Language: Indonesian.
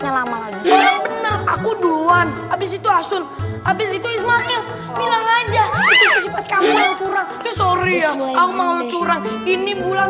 nya lama aku duluan habis itu asyik habis itu ismail bilang aja kecuali mau curang ini bulan